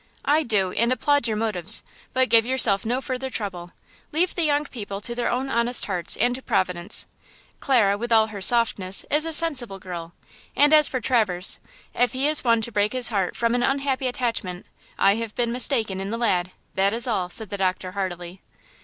"I do, and applaud your motives; but give yourself no further trouble! Leave the young people to their own honest hearts and to Providence. Clara, with all her softness, is a sensible girl, and as for Traverse, if he is one to break his heart from an unhappy attachment, I have been mistaken in the lad, that is all!" said the doctor, heartily.